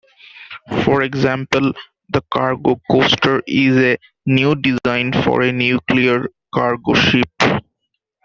For example, the cargo coaster is a new design for a nuclear cargo ship.